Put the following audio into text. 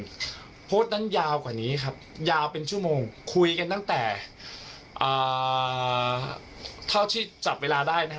โพสต์นั้นยาวกว่านี้ครับยาวเป็นชั่วโมงคุยกันตั้งแต่เท่าที่จับเวลาได้นะฮะ